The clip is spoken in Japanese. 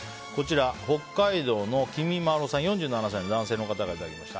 北海道の４７歳の男性の方からいただきました。